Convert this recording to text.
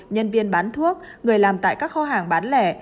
nhân viên bán thuốc người làm tại các kho hàng bán lẻ